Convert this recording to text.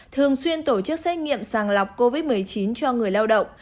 thường xuyên tổ chức xét nghiệm sàng lọc covid một mươi chín cho người lao động